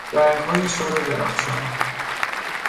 رنگهای شاد و درخشان